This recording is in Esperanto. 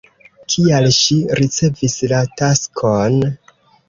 Kial ŝi ricevis la taskon?